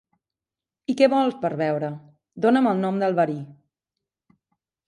I què vols per beure? Dóna'm el nom del verí.